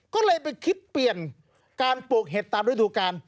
ก็เลยไปคิดเปลี่ยนการปลูกเห็ดตามฤดูกาล